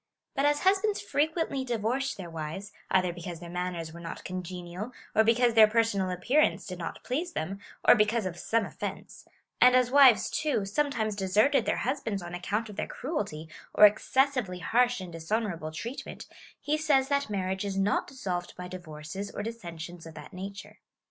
But as husbands frequently di vorced their wives, either because their manners were not congenial, or because their personal appearance did not l)lease them, or because of some offence ;^ and as wives, too, sometimes deserted their husbands on account of their cruelty, or excessively harsh and dishonourable treatment, he says that marriage is not dissolved by divorces or dissen sions of that nature.